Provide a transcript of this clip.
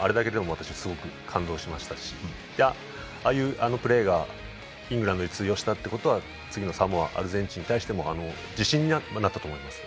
あれだけでも私はすごく感動しましたしああいうプレーがイングランドに通用したということは次のサモア、アルゼンチンに対しても自信にはなったと思います。